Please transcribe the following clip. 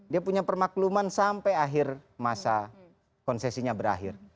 dia punya permakluman sampai akhir masa konsesinya berakhir